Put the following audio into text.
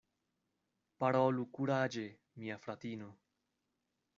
Parolu kuraĝe, mia fratino!